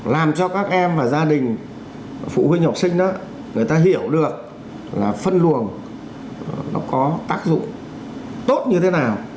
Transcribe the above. làm cho các em và gia đình phụ huynh học sinh đó người ta hiểu được là phân luồng nó có tác dụng tốt như thế nào